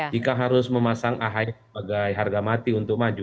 jika harus memasang ahy sebagai harga mati untuk maju